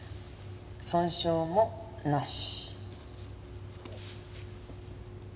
損傷もなし。